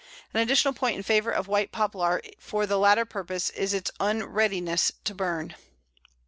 An additional point in favour of White Poplar for the latter purpose is its unreadiness to burn.